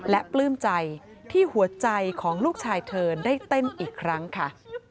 และปลื้มใจที่หัวใจของลูกชายเธอได้เต้นอีกครั้งค่ะ